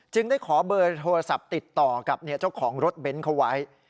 ได้ขอเบอร์โทรศัพท์ติดต่อกับเจ้าของรถเบนท์เขาไว้